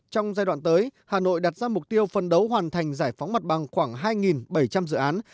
trong giai đoạn tới hà nội đặt ra mục tiêu phân đấu hoàn thành giải phóng mặt bằng khoảng hai bảy trăm linh dự án